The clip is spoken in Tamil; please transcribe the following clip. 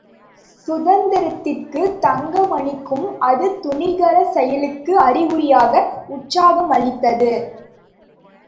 சுந்தரத்திற்கும் தங்கமணிக்கும் அது துணிகரச் செயலுக்கு அறிகுறியாக உற்சாகமளித்தது.